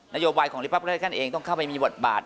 นโยบายของริปรับประเทศกันเองต้องเข้าไปมีบทบาท